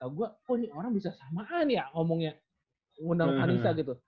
tau gua kok ini orang bisa samaan ya omongnya undang vanessa gitu